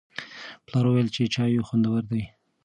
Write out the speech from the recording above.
پلار وویل چې چای خوندور دی.